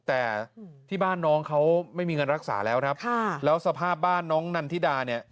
แต่ที่บ้านน้องเขาไม่มีเงินรักษาแล้วครับค่ะแล้วสภาพบ้านน้องนันทิดาเนี่ย